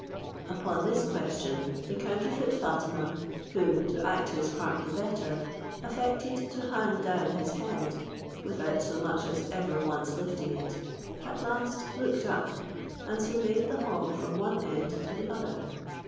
Upon this question, the counterfeit Fatima, who, to act his part the better, affected to hang down his head, without so much as ever once lifting it, at last looked up, and surveyed the hall from one end to the other.